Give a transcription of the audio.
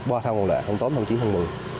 ở ba thang một lệ tháng tám tháng chín tháng một mươi